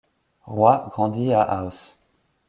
Roy grandit à Ahaus.